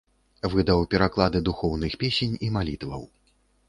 Выдаў пераклады духоўных песень і малітваў.